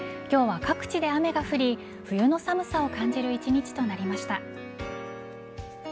今日は各地で雨が降り冬の寒さを感じる一日となりました。